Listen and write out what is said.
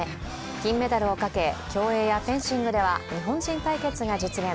金メダルをかけ、競泳やフェンシングでは日本人対決が実現。